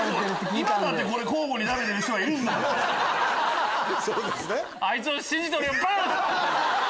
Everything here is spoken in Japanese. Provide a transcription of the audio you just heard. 今だってこれ交互に食べてる人いるんだから。